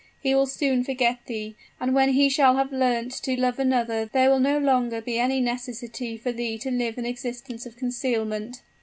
He will soon forget thee; and when he shall have learnt to love another there will no longer be any necessity for thee to live an existence of concealment.'